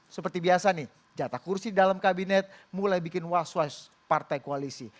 seperti biasa nih jatah kursi dalam kabinet mulai bikin was was partai koalisi